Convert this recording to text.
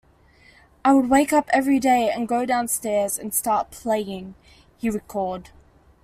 "I would wake up every day and go downstairs and start playing," he recalled.